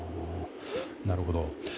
なるほど。